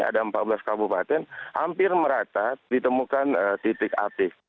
ada empat belas kabupaten hampir merata ditemukan titik api